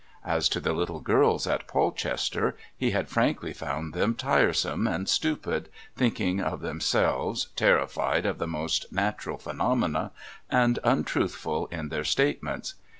As to the little girls in Polchester, he had frankly found them tiresome and stupid, thinking of themselves, terrified of the most natural phenomena and untruthful in their statements.